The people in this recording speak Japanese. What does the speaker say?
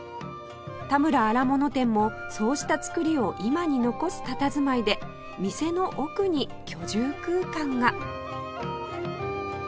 田村荒物店もそうした造りを今に残すたたずまいで店の奥に居住空間が